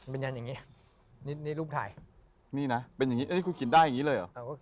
เป็นยันอย่างนี้นี่รูปถ่ายนี่นะเป็นอย่างนี้เอ้ยคุณเขียนได้อย่างนี้เลยเหรอ